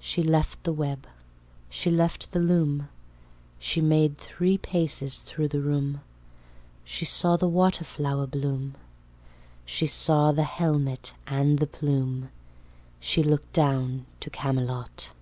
She left the web: she left the loom: She made three paces thro' the room: She saw the waterflower bloom: She saw the helmet and the plume: She looked down to Camelot.